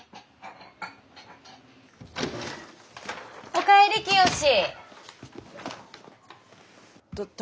お帰りきよし。た